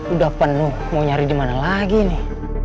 udah penuh mau nyari di mana lagi nih